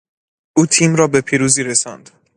او تیم را به پیروزی رساند.